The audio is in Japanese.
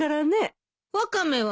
ワカメは？